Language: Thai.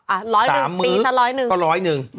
อ่ะ๑๐๐นึงปีนั้น๑๐๐นึง